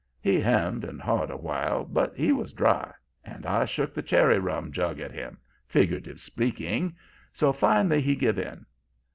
"He hemmed and hawed a while, but he was dry, and I shook the cherry rum jug at him, figuratively speaking, so finally he give in.